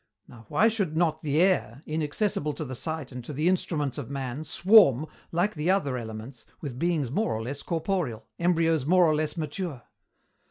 Now why should not the air, inaccessible to the sight and to the instruments of man, swarm, like the other elements, with beings more or less corporeal, embryos more or less mature?"